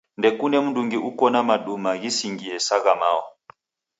Ndekune mndungi uko na maduma ghisingie sa gha mao.